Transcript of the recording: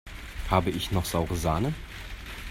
Habe ich noch saure Sahne?